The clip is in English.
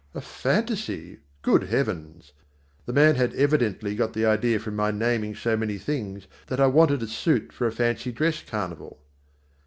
A fantasy! Good heavens! The man had evidently got the idea from my naming so many things that I wanted a suit for a fancy dress carnival.